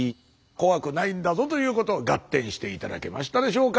怖くないんだぞということガッテンして頂けましたでしょうか？